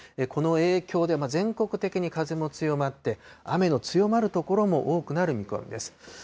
この影響で、全国的に風も強まって、雨の強まる所も多くなる見込みです。